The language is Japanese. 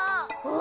お！